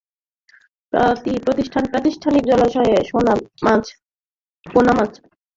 প্রাতিষ্ঠানিক জলাশয়ে পোনা মাছ অবমুক্তকরণ কর্মসূচির আওতায় এসব পোনা বিতরণ করা হয়।